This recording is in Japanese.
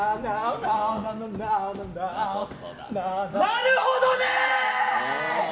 なるほどね！